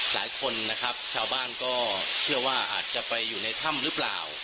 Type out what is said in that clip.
หลายคนนะครับชาวบ้านก็เชื่อว่าอาจจะไปอยู่ในถ้ำหรือเปล่า